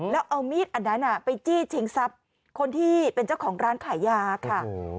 แล้วเอามีดอันนั้นไปจี้ชิงทรัพย์คนที่เป็นเจ้าของร้านขายยาค่ะ